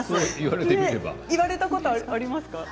言われたことありますか？